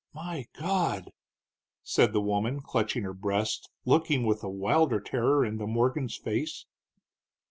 "My God!" said the woman, clutching her breast, looking with a wilder terror into Morgan's face.